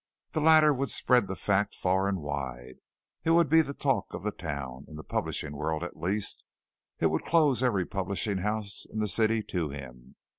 The latter would spread the fact far and wide. It would be the talk of the town, in the publishing world at least. It would close every publishing house in the city to him.